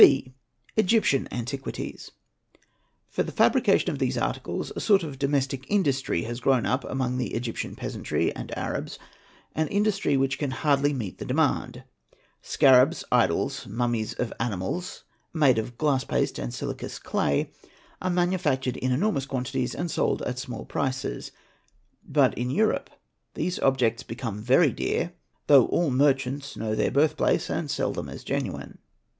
. B. Egyptian Antiquities. ; For the fabrication of these articles a sort of domestic industry has 7 grown up among the Egyptian peasantry and Arabs, an industry which can hardly meet the demand. Scarabs, idols, mummies of animals (made of glass paste and silicious clay) are manufactured in enormous quantities and sold at small prices; but in Europe these objects become very dear, though all merchants know their birth place and sell them / as genuine.